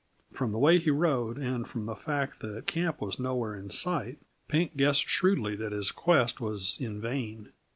From the way he rode, and from the fact that camp was nowhere in sight, Pink guessed shrewdly that his quest was in vain.